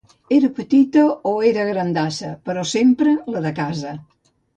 Era petita o era grandassa, però sempre la de casa.